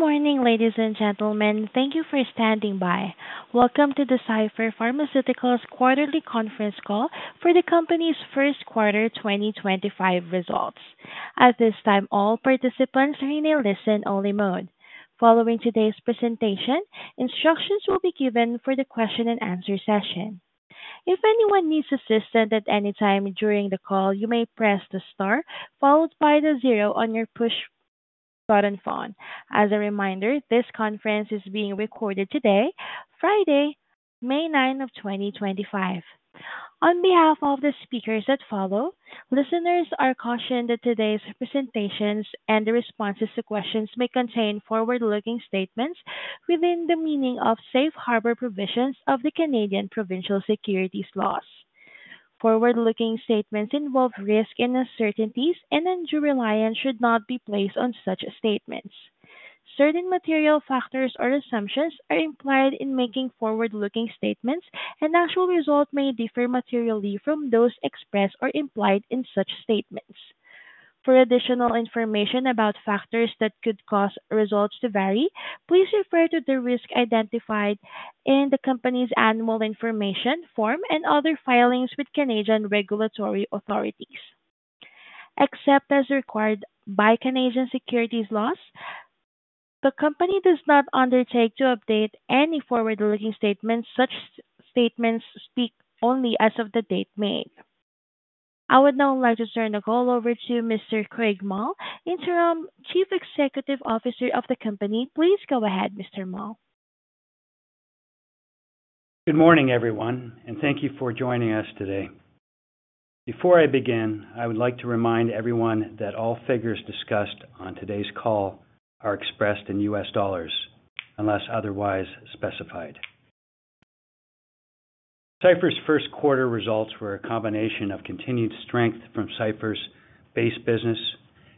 Good morning, ladies and gentlemen. Thank you for standing by. Welcome to the Cipher Pharmaceuticals quarterly conference call for the company's first quarter 2025 results. At this time, all participants are in a listen-only mode. Following today's presentation, instructions will be given for the question-and-answer session. If anyone needs assistance at any time during the call, you may press the star followed by the zero on your push-button phone. As a reminder, this conference is being recorded today, Friday, May 9, 2025. On behalf of the speakers that follow, listeners are cautioned that today's presentations and the responses to questions may contain forward-looking statements within the meaning of safe harbor provisions of the Canadian Provincial Securities Laws. Forward-looking statements involve risk and uncertainties, and enduring reliance should not be placed on such statements. Certain material factors or assumptions are implied in making forward-looking statements, and actual results may differ materially from those expressed or implied in such statements. For additional information about factors that could cause results to vary, please refer to the risk identified in the company's annual information form and other filings with Canadian regulatory authorities. Except as required by Canadian Securities Laws, the company does not undertake to update any forward-looking statements. Such statements speak only as of the date made. I would now like to turn the call over to Mr. Craig Mull, Interim Chief Executive Officer of the company. Please go ahead, Mr. Mull. Good morning, everyone, and thank you for joining us today. Before I begin, I would like to remind everyone that all figures discussed on today's call are expressed in U.S. dollars unless otherwise specified. Cipher's first quarter results were a combination of continued strength from Cipher's base business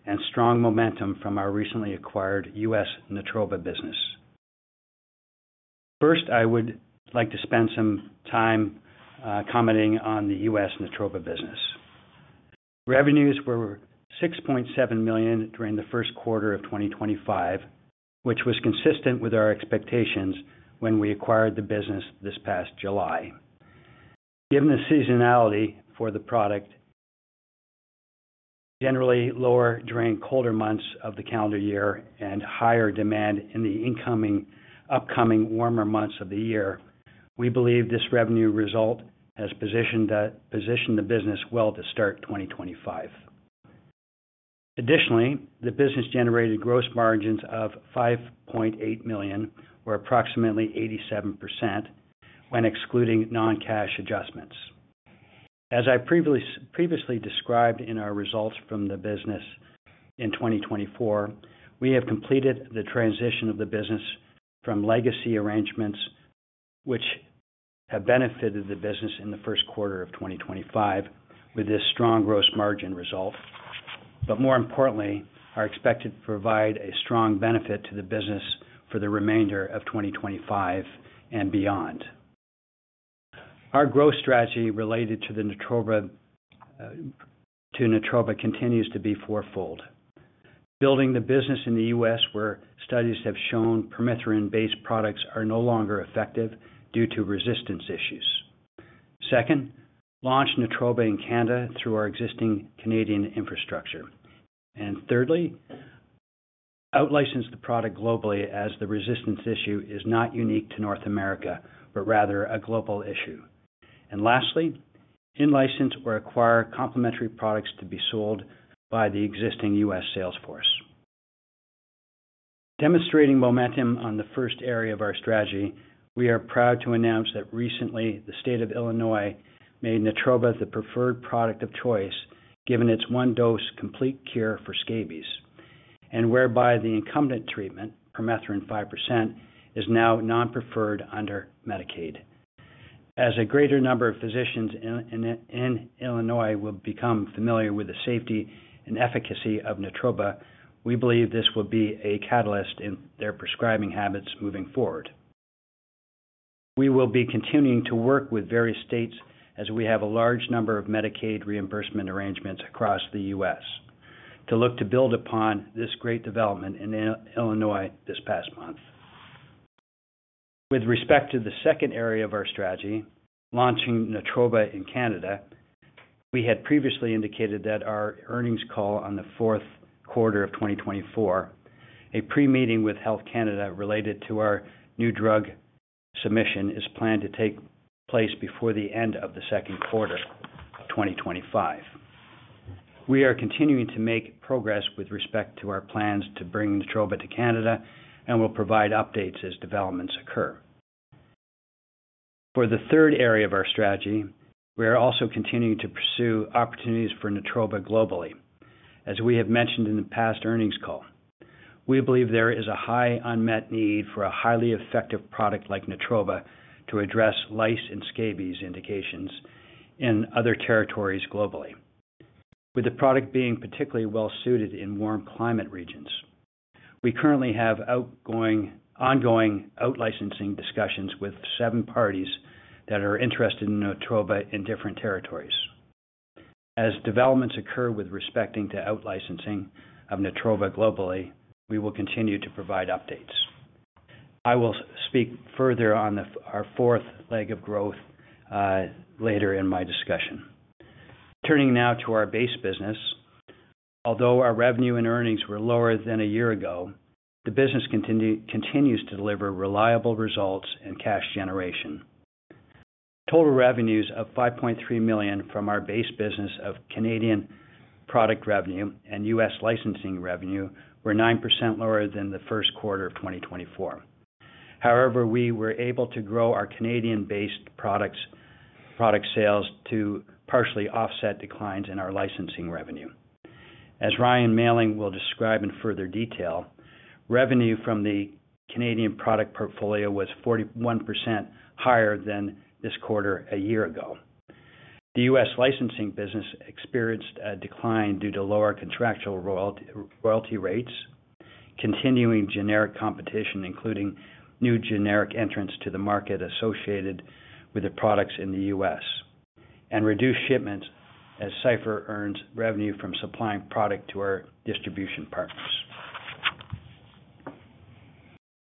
and strong momentum from our recently acquired U.S. Natroba business. First, I would like to spend some time commenting on the U.S. Natroba business. Revenues were $6.7 million during the first quarter of 2025, which was consistent with our expectations when we acquired the business this past July. Given the seasonality for the product, generally lower during colder months of the calendar year and higher demand in the upcoming warmer months of the year, we believe this revenue result has positioned the business well to start 2025. Additionally, the business generated gross margins of $5.8 million were approximately 87% when excluding non-cash adjustments. As I previously described in our results from the business in 2024, we have completed the transition of the business from legacy arrangements, which have benefited the business in the first quarter of 2025, with this strong gross margin result. More importantly, are expected to provide a strong benefit to the business for the remainder of 2025 and beyond. Our growth strategy related to Natroba continues to be four-fold. Building the business in the U.S. where studies have shown permethrin-based products are no longer effective due to resistance issues. Second, launch Natroba in Canada through our existing Canadian infrastructure. Thirdly, out-license the product globally as the resistance issue is not unique to North America, but rather a global issue. Lastly, in-license or acquire complementary products to be sold by the existing U.S. sales force. Demonstrating momentum on the first area of our strategy, we are proud to announce that recently the state of Illinois made Natroba the preferred product of choice given its one-dose complete cure for scabies, and whereby the incumbent treatment, permethrin 5%, is now non-preferred under Medicaid. As a greater number of physicians in Illinois will become familiar with the safety and efficacy of Natroba, we believe this will be a catalyst in their prescribing habits moving forward. We will be continuing to work with various states as we have a large number of Medicaid reimbursement arrangements across the U.S. to look to build upon this great development in Illinois this past month. With respect to the second area of our strategy, launching Natroba in Canada, we had previously indicated that our earnings call on the fourth quarter of 2024, a pre-meeting with Health Canada related to our new drug submission, is planned to take place before the end of the second quarter of 2025. We are continuing to make progress with respect to our plans to bring Natroba to Canada and will provide updates as developments occur. For the third area of our strategy, we are also continuing to pursue opportunities for Natroba globally. As we have mentioned in the past earnings call, we believe there is a high unmet need for a highly effective product like Natroba to address lice and scabies indications in other territories globally, with the product being particularly well-suited in warm climate regions. We currently have ongoing out-licensing discussions with seven parties that are interested in Natroba in different territories. As developments occur with respect to out-licensing of Natroba globally, we will continue to provide updates. I will speak further on our fourth leg of growth later in my discussion. Turning now to our base business, although our revenue and earnings were lower than a year ago, the business continues to deliver reliable results and cash generation. Total revenues of 5.3 million from our base business of Canadian product revenue and U.S. licensing revenue were 9% lower than the first quarter of 2024. However, we were able to grow our Canadian-based product sales to partially offset declines in our licensing revenue. As Ryan Mailling will describe in further detail, revenue from the Canadian product portfolio was 41% higher than this quarter a year ago. The U.S. Licensing business experienced a decline due to lower contractual royalty rates, continuing generic competition, including new generic entrants to the market associated with the products in the U.S., and reduced shipments as Cipher earns revenue from supplying product to our distribution partners.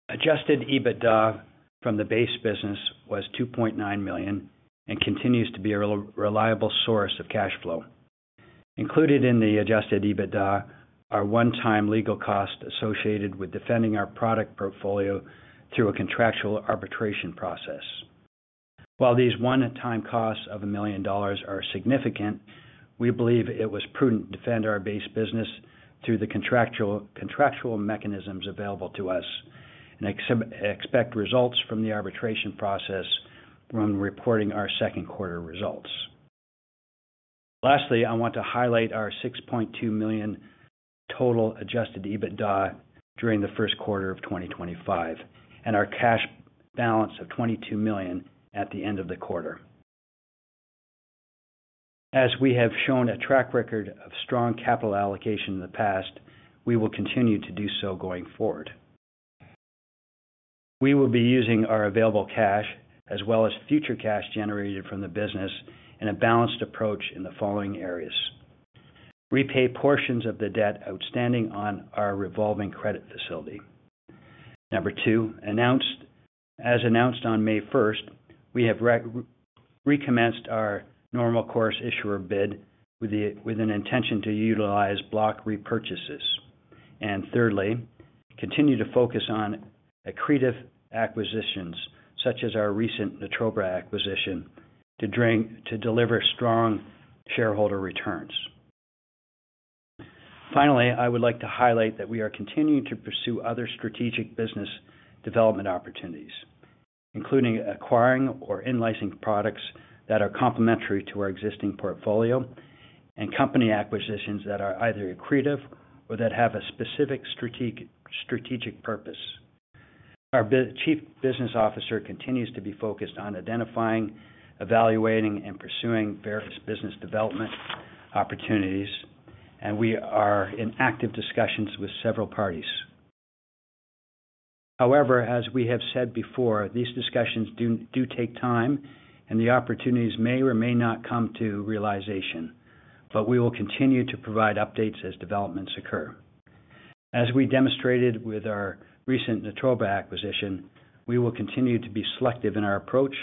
Adjusted EBITDA from the base business was $2.9 million and continues to be a reliable source of cash flow. Included in the adjusted EBITDA are one-time legal costs associated with defending our product portfolio through a contractual arbitration process. While these one-time costs of $1 million are significant, we believe it was prudent to defend our base business through the contractual mechanisms available to us and expect results from the arbitration process when reporting our second quarter results. Lastly, I want to highlight our $6.2 million total adjusted EBITDA during the first quarter of 2025 and our cash balance of $22 million at the end of the quarter. As we have shown a track record of strong capital allocation in the past, we will continue to do so going forward. We will be using our available cash as well as future cash generated from the business in a balanced approach in the following areas: repay portions of the debt outstanding on our revolving credit facility. Number two, as announced on May 1st, we have recommenced our normal course issuer bid with an intention to utilize block repurchases. Thirdly, continue to focus on accretive acquisitions such as our recent Natroba acquisition to deliver strong shareholder returns. Finally, I would like to highlight that we are continuing to pursue other strategic business development opportunities, including acquiring or in-licensing products that are complementary to our existing portfolio and company acquisitions that are either accretive or that have a specific strategic purpose. Our Chief Business Officer continues to be focused on identifying, evaluating, and pursuing various business development opportunities, and we are in active discussions with several parties. However, as we have said before, these discussions do take time, and the opportunities may or may not come to realization, but we will continue to provide updates as developments occur. As we demonstrated with our recent Natroba acquisition, we will continue to be selective in our approach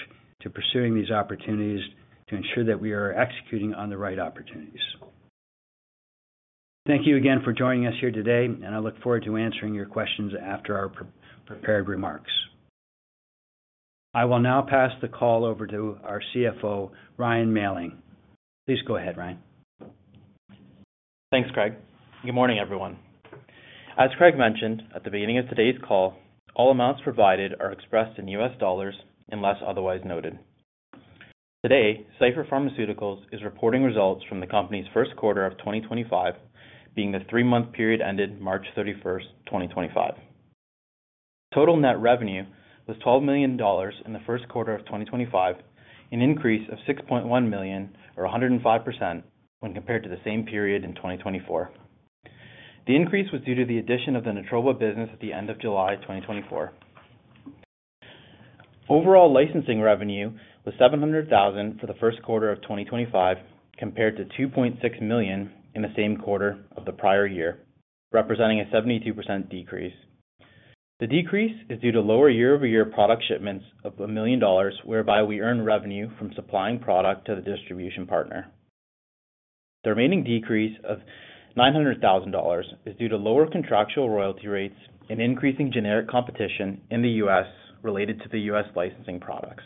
to pursuing these opportunities to ensure that we are executing on the right opportunities. Thank you again for joining us here today, and I look forward to answering your questions after our prepared remarks. I will now pass the call over to our CFO, Ryan Mailling. Please go ahead, Ryan. Thanks, Craig. Good morning, everyone. As Craig mentioned at the beginning of today's call, all amounts provided are expressed in U.S. dollars unless otherwise noted. Today, Cipher Pharmaceuticals is reporting results from the company's first quarter of 2025, being the three-month period ended March 31, 2025. Total net revenue was $12 million in the first quarter of 2025, an increase of $6.1 million, or 105%, when compared to the same period in 2024. The increase was due to the addition of the Natroba business at the end of July 2024. Overall licensing revenue was $700,000 for the first quarter of 2025, compared to $2.6 million in the same quarter of the prior year, representing a 72% decrease. The decrease is due to lower year-over-year product shipments of $1 million, whereby we earned revenue from supplying product to the distribution partner. The remaining decrease of $900,000 is due to lower contractual royalty rates and increasing generic competition in the U.S. related to the U.S. licensing products.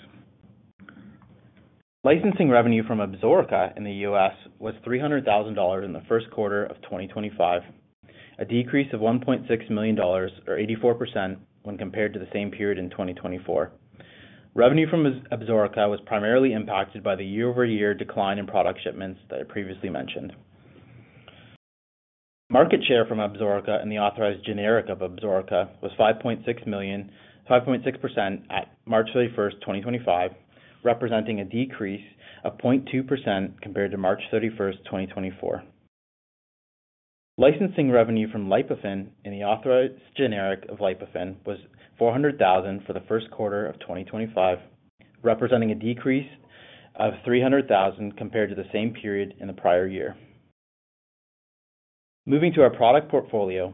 Licensing revenue from Absorica in the U.S. was $300,000 in the first quarter of 2025, a decrease of $1.6 million, or 84%, when compared to the same period in 2024. Revenue from Absorica was primarily impacted by the year-over-year decline in product shipments that I previously mentioned. Market share from Absorica and the authorized generic of Absorica was 5.6% at March 31, 2025, representing a decrease of 0.2% compared to March 31st, 2024. Licensing revenue from Lipofen and the authorized generic of Lipofen was $400,000 for the first quarter of 2025, representing a decrease of $300,000 compared to the same period in the prior year. Moving to our product portfolio,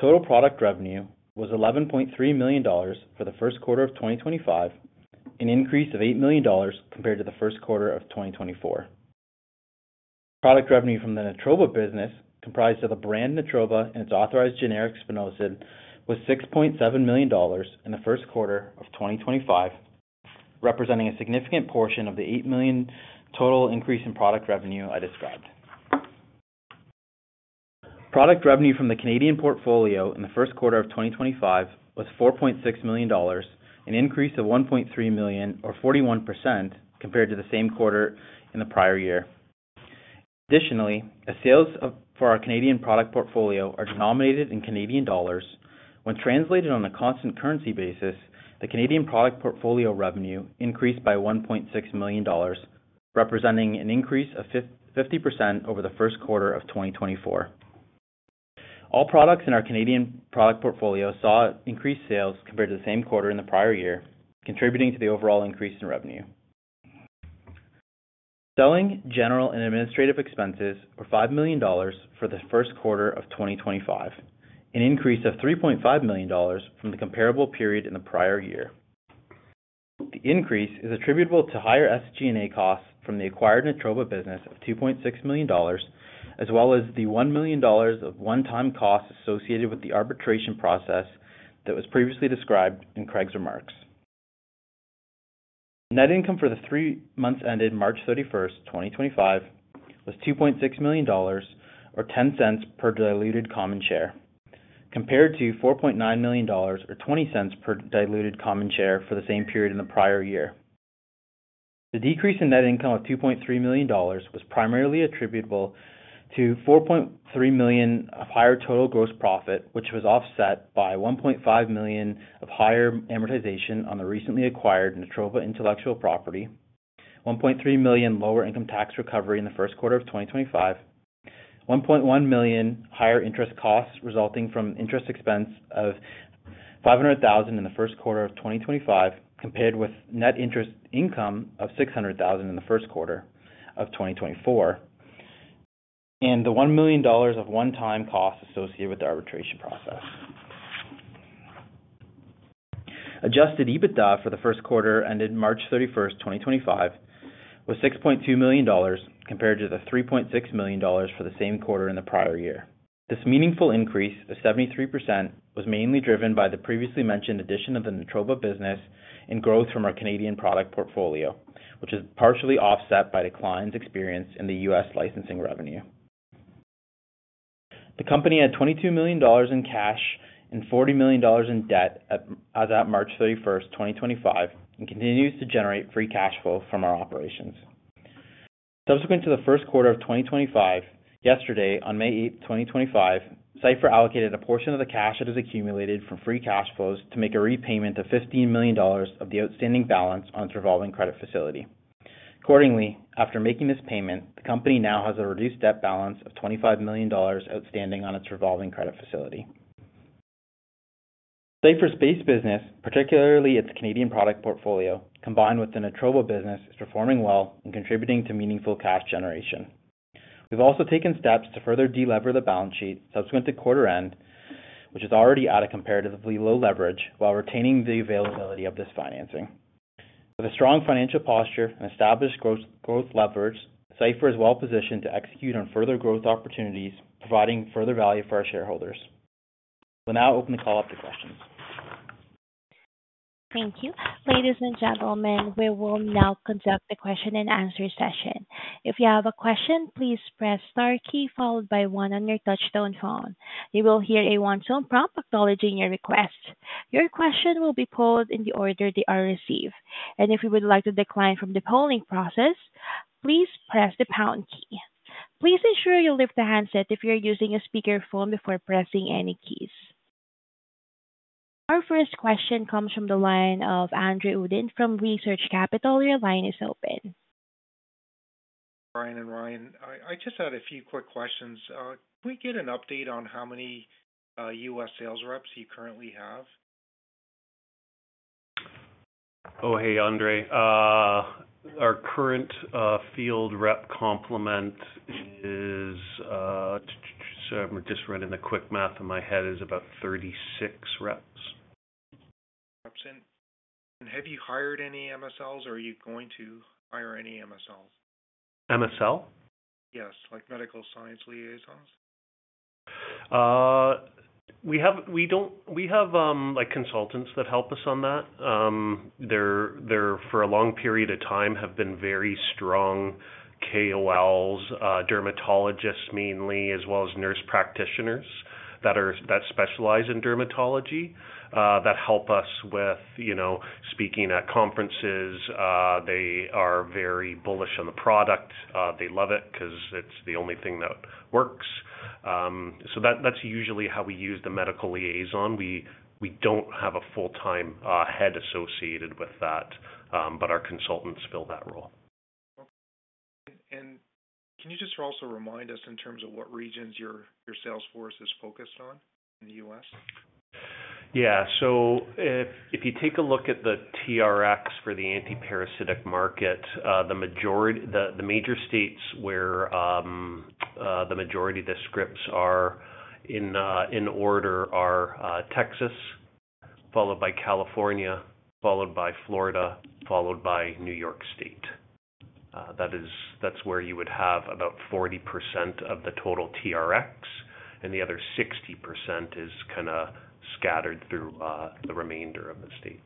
total product revenue was $11.3 million for the first quarter of 2025, an increase of $8 million compared to the first quarter of 2024. Product revenue from the Natroba business, comprised of the brand Natroba and its authorized generic Spinosad, was $6.7 million in the first quarter of 2025, representing a significant portion of the $8 million total increase in product revenue I described. Product revenue from the Canadian portfolio in the first quarter of 2025 was $4.6 million, an increase of $1.3 million, or 41%, compared to the same quarter in the prior year. Additionally, as sales for our Canadian product portfolio are denominated in Canadian dollars, when translated on a constant currency basis, the Canadian product portfolio revenue increased by $1.6 million, representing an increase of 50% over the first quarter of 2024. All products in our Canadian product portfolio saw increased sales compared to the same quarter in the prior year, contributing to the overall increase in revenue. Selling, general, and administrative expenses were 5 million dollars for the first quarter of 2025, an increase of 3.5 million dollars from the comparable period in the prior year. The increase is attributable to higher SG&A costs from the acquired Natroba business of 2.6 million dollars, as well as the 1 million dollars of one-time costs associated with the arbitration process that was previously described in Craig's remarks. Net income for the three months ended March 31st, 2025, was 2.6 million dollars, or 10 cents per diluted common share, compared to 4.9 million dollars, or 20 cents per diluted common share for the same period in the prior year. The decrease in net income of $2.3 million was primarily attributable to $4.3 million of higher total gross profit, which was offset by $1.5 million of higher amortization on the recently acquired Natroba intellectual property, $1.3 million lower income tax recovery in the first quarter of 2025, $1.1 million higher interest costs resulting from interest expense of $500,000 in the first quarter of 2025, compared with net interest income of $600,000 in the first quarter of 2024, and the $1 million of one-time costs associated with the arbitration process. Adjusted EBITDA for the first quarter ended March 31, 2025, was $6.2 million, compared to the $3.6 million for the same quarter in the prior year. This meaningful increase of 73% was mainly driven by the previously mentioned addition of the Natroba business and growth from our Canadian product portfolio, which is partially offset by declines experienced in the U.S. Licensing revenue. The company had $22 million in cash and $40 million in debt as of March 31, 2025, and continues to generate free cash flow from our operations. Subsequent to the first quarter of 2025, yesterday, on May 8, 2025, Cipher allocated a portion of the cash it has accumulated from free cash flows to make a repayment of $15 million of the outstanding balance on its revolving credit facility. Accordingly, after making this payment, the company now has a reduced debt balance of $25 million outstanding on its revolving credit facility. Cipher's base business, particularly its Canadian product portfolio, combined with the Natroba business, is performing well and contributing to meaningful cash generation. We've also taken steps to further delever the balance sheet subsequent to quarter end, which is already at a comparatively low leverage while retaining the availability of this financing. With a strong financial posture and established growth leverage, Cipher is well-positioned to execute on further growth opportunities, providing further value for our shareholders. We'll now open the call up to questions. Thank you. Ladies and gentlemen, we will now conduct the question-and-answer session. If you have a question, please press the star key followed by one on your touchstone phone. You will hear a one-tone prompt acknowledging your request. Your question will be polled in the order they are received. If you would like to decline from the polling process, please press the pound key. Please ensure you lift the handset if you are using a speakerphone before pressing any keys. Our first question comes from the line of Andre Uddin from Research Capital. Your line is open. Bryan and Ryan, I just had a few quick questions. Can we get an update on how many U.S. sales reps you currently have? Oh, hey, Andre. Our current field rep complement is—so I'm just running the quick math in my head—is about 36 reps. Reps in. Have you hired any MSLs, or are you going to hire any MSLs? MSL? Yes, like medical science liaisons? We have consultants that help us on that. For a long period of time, there have been very strong KOLs, dermatologists mainly, as well as nurse practitioners that specialize in dermatology that help us with speaking at conferences. They are very bullish on the product. They love it because it's the only thing that works. That is usually how we use the medical liaison. We do not have a full-time head associated with that, but our consultants fill that role. Can you just also remind us in terms of what regions your sales force is focused on in the U.S.? Yeah. If you take a look at the TRX for the antiparasitic market, the major states where the majority of the scripts are in order are Texas, followed by California, followed by Florida, followed by New York State. That is where you would have about 40% of the total TRX, and the other 60% is kind of scattered through the remainder of the states.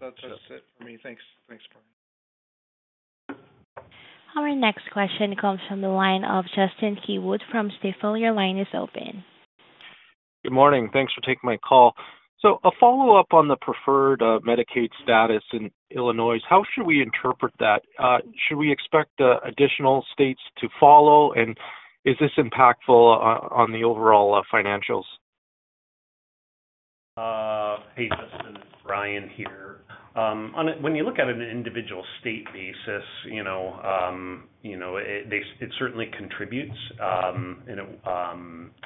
That's it for me. Thanks, Bryan. Our next question comes from the line of Justin Keywood from Stifel. Your line is open. Good morning. Thanks for taking my call. A follow-up on the preferred Medicaid status in Illinois. How should we interpret that? Should we expect additional states to follow, and is this impactful on the overall financials? Hey, Justin, it's Bryan here. When you look at an individual state basis, it certainly contributes, and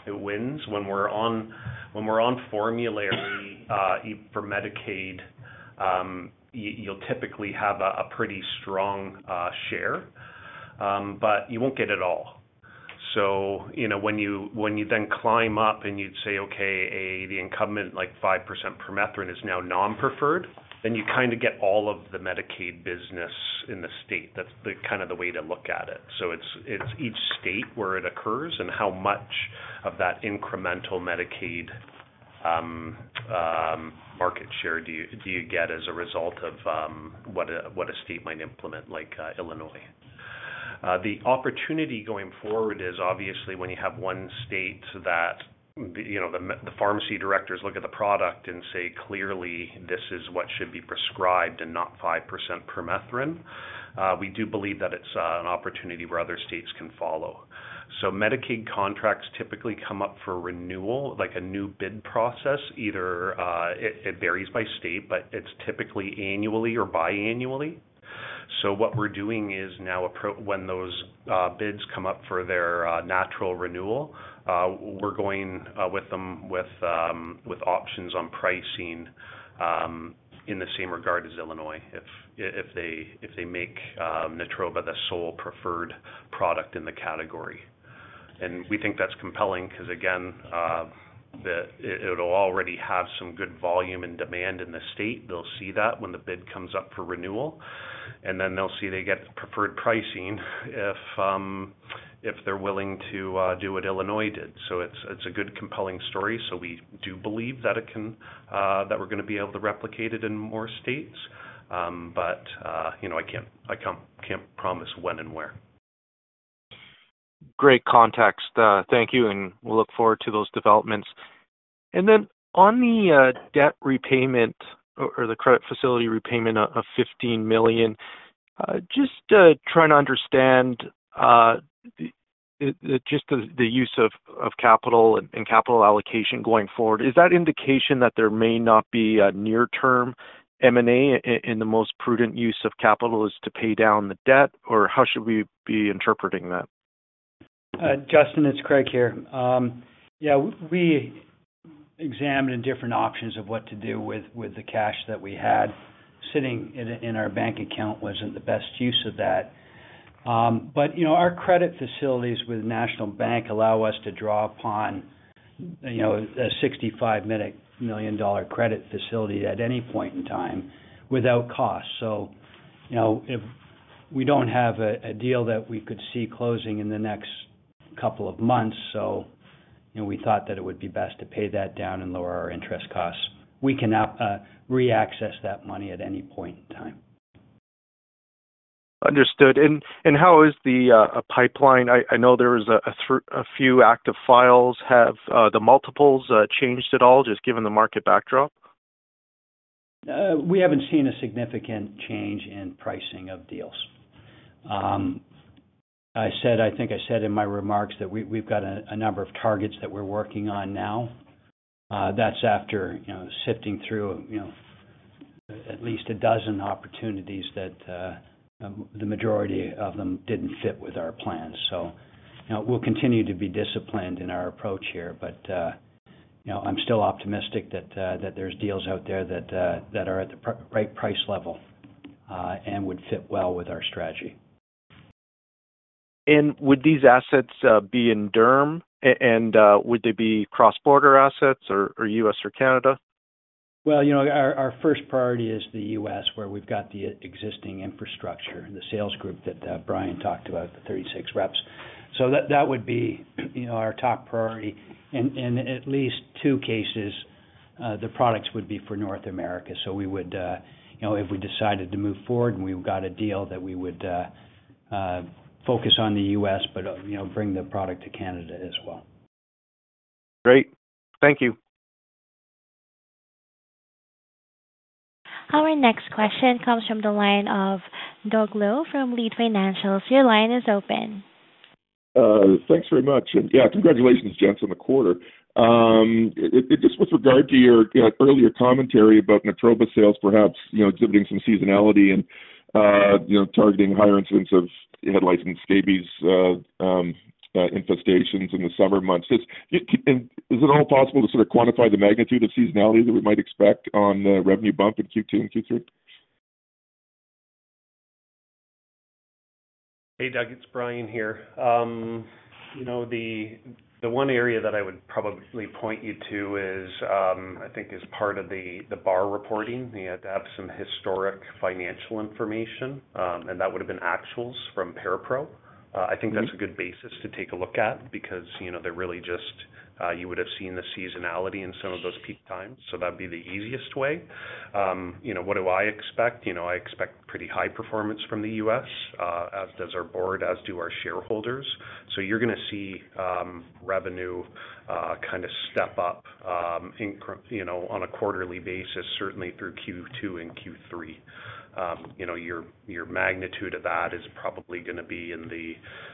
it wins when we're on formulary for Medicaid. You'll typically have a pretty strong share, but you won't get it all. When you then climb up and you'd say, "Okay, the incumbent Permethrin 5% is now non-preferred," then you kind of get all of the Medicaid business in the state. That's kind of the way to look at it. It's each state where it occurs and how much of that incremental Medicaid market share do you get as a result of what a state might implement like Illinois. The opportunity going forward is obviously when you have one state that the pharmacy directors look at the product and say, "Clearly, this is what should be prescribed and not 5% permethrin." We do believe that it's an opportunity where other states can follow. Medicaid contracts typically come up for renewal, like a new bid process. It varies by state, but it's typically annually or biannually. What we're doing is now, when those bids come up for their natural renewal, we're going with them with options on pricing in the same regard as Illinois if they make Natroba the sole preferred product in the category. We think that's compelling because, again, it'll already have some good volume and demand in the state. They'll see that when the bid comes up for renewal, and then they'll see they get preferred pricing if they're willing to do what Illinois did. It is a good compelling story. We do believe that we're going to be able to replicate it in more states, but I can't promise when and where. Great context. Thank you, and we will look forward to those developments. Then on the debt repayment or the credit facility repayment of $15 million, just trying to understand just the use of capital and capital allocation going forward. Is that indication that there may not be a near-term M&A and the most prudent use of capital is to pay down the debt, or how should we be interpreting that? Justin, it's Craig here. Yeah, we examined different options of what to do with the cash that we had sitting in our bank account. It was not the best use of that. Our credit facilities with National Bank allow us to draw upon a $65 million credit facility at any point in time without cost. We do not have a deal that we could see closing in the next couple of months. We thought that it would be best to pay that down and lower our interest costs. We can re-access that money at any point in time. Understood. How is the pipeline? I know there are a few active files. Have the multiples changed at all, just given the market backdrop? We haven't seen a significant change in pricing of deals. I think I said in my remarks that we've got a number of targets that we're working on now. That's after sifting through at least a dozen opportunities that the majority of them didn't fit with our plans. We will continue to be disciplined in our approach here, but I'm still optimistic that there are deals out there that are at the right price level and would fit well with our strategy. Would these assets be in DERM, and would they be cross-border assets, or U.S. or Canada? Our first priority is the U.S., where we've got the existing infrastructure and the sales group that Bryan talked about, the 36 reps. That would be our top priority. In at least two cases, the products would be for North America. If we decided to move forward and we got a deal, we would focus on the U.S., but bring the product to Canada as well. Great. Thank you. Our next question comes from the line of Doug Loe from Leede Financial. Your line is open. Thanks very much. Yeah, congratulations, gents, on the quarter. Just with regard to your earlier commentary about Natroba sales, perhaps exhibiting some seasonality and targeting higher incidence of head lice and scabies infestations in the summer months. Is it at all possible to sort of quantify the magnitude of seasonality that we might expect on the revenue bump in Q2 and Q3? Hey, Doug, it's Bryan here. The one area that I would probably point you to is, I think, as part of the bar reporting, you have to have some historic financial information, and that would have been actuals from ParaPRO. I think that's a good basis to take a look at because there really just you would have seen the seasonality in some of those peak times. That'd be the easiest way. What do I expect? I expect pretty high performance from the U.S., as does our board, as do our shareholders. You're going to see revenue kind of step up on a quarterly basis, certainly through Q2 and Q3. Your magnitude of that is probably going to be in the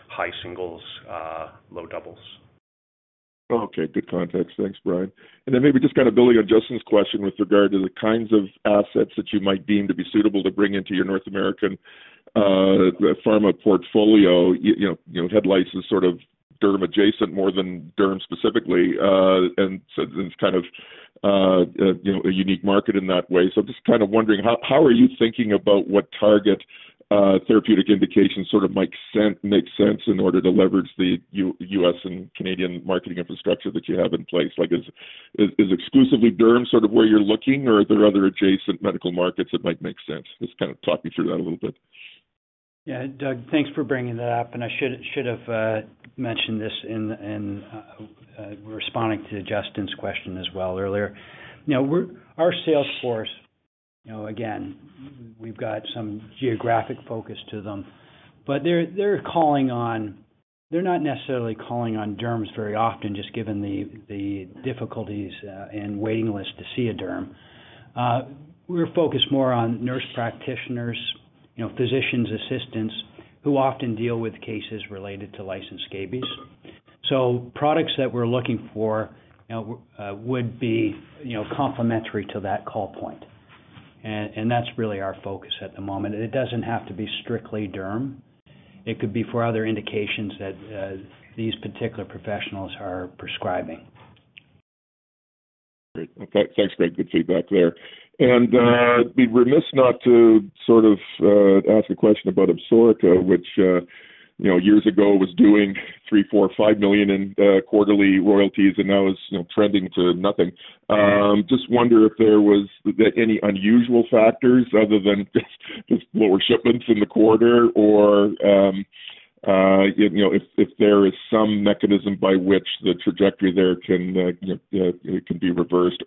high singles, low doubles. Okay. Good context. Thanks, Bryan. Maybe just kind of building on Justin's question with regard to the kinds of assets that you might deem to be suitable to bring into your North American pharma portfolio. Head lice is sort of DERM-adjacent more than DERM specifically, and so it's kind of a unique market in that way. I'm just kind of wondering, how are you thinking about what target therapeutic indications sort of make sense in order to leverage the U.S. and Canadian marketing infrastructure that you have in place? Is exclusively DERM sort of where you're looking, or are there other adjacent medical markets that might make sense? Just kind of talk me through that a little bit. Yeah. Doug, thanks for bringing that up. I should have mentioned this in responding to Justin's question as well earlier. Our sales force, again, we've got some geographic focus to them, but they're calling on—they're not necessarily calling on DERMs very often, just given the difficulties and waiting list to see a DERM. We're focused more on nurse practitioners, physician's assistants who often deal with cases related to lice and scabies. Products that we're looking for would be complementary to that call point. That's really our focus at the moment. It doesn't have to be strictly DERM. It could be for other indications that these particular professionals are prescribing. Sounds great. Good feedback there. I'd be remiss not to sort of ask a question about Absorica, which years ago was doing $3 million-$5 million in quarterly royalties, and now is trending to nothing. Just wonder if there were any unusual factors other than just lower shipments in the quarter, or if there is some mechanism by which the trajectory there can be reversed.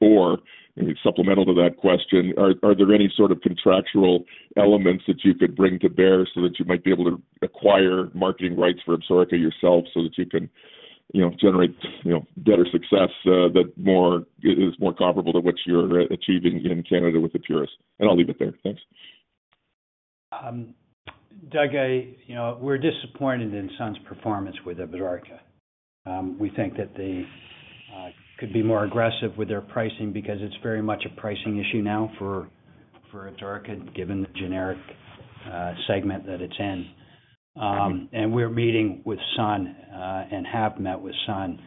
Supplemental to that question, are there any sort of contractual elements that you could bring to bear so that you might be able to acquire marketing rights for Absorica yourself so that you can generate better success that is more comparable to what you're achieving in Canada with Epuris? I'll leave it there. Thanks. Doug, we're disappointed in Sun's performance with Absorica. We think that they could be more aggressive with their pricing because it's very much a pricing issue now for Absorica, given the generic segment that it's in. We're meeting with Sun and have met with Sun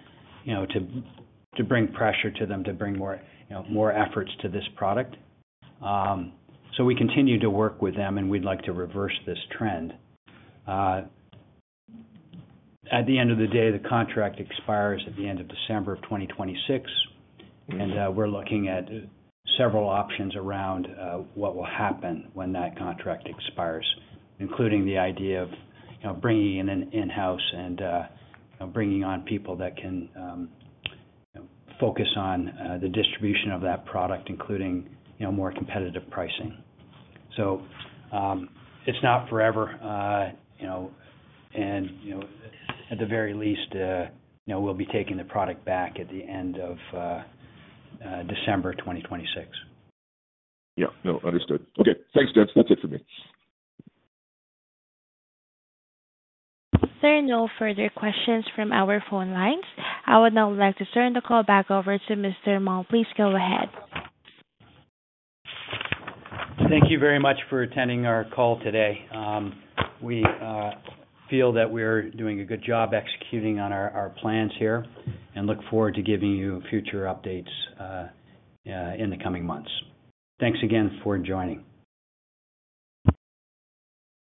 to bring pressure to them to bring more efforts to this product. We continue to work with them, and we'd like to reverse this trend. At the end of the day, the contract expires at the end of December 2026, and we're looking at several options around what will happen when that contract expires, including the idea of bringing it in-house and bringing on people that can focus on the distribution of that product, including more competitive pricing. It's not forever. At the very least, we'll be taking the product back at the end of December 2026. Yeah. No, understood. Okay. Thanks, gents. That's it for me. There are no further questions from our phone lines. I would now like to turn the call back over to Mr. Mull. Please go ahead. Thank you very much for attending our call today. We feel that we're doing a good job executing on our plans here and look forward to giving you future updates in the coming months. Thanks again for joining.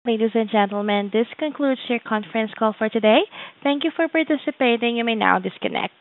Ladies and gentlemen, this concludes your conference call for today. Thank you for participating. You may now disconnect.